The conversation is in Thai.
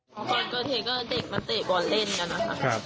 ก่อนเกอร์เทเกอร์เด็กมาเตะบอลเล่นกันนะคะ